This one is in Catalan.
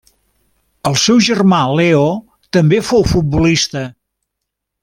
El seu germà Leo també fou futbolista.